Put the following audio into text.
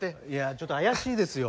ちょっと怪しいですよ。